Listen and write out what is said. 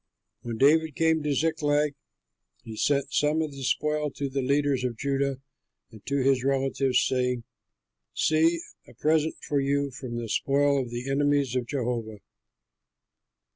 When David came to Ziklag, he sent some of the spoil to the leaders of Judah and to his relatives, saying, "See! a present for you from the spoil of the enemies of Jehovah."